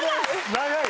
長い！